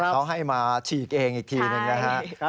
เขาให้มาฉีกเองอีกทีหนึ่งนะฮะ